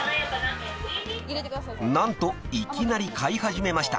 ［何といきなり買い始めました］